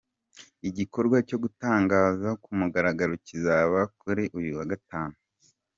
Igikorwa cyo gutangaza ku mugaragaro kizaba kuri uyu wa gatanu.